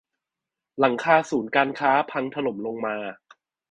หลังคาศูนย์การค้า พังถล่มลงมา